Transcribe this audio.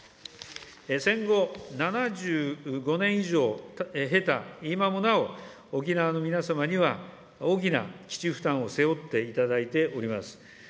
戦後７５年以上経た今もなお、沖縄の皆様には大きな基地負担を背負っていただいております。